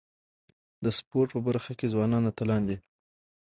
د سپورټ په برخه کي ځوانان اتلان دي.